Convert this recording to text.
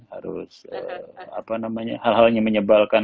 harus hal halnya menyebalkan